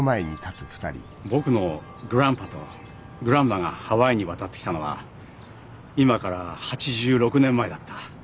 僕のグランパとグランマがハワイに渡ってきたのは今から８６年前だった。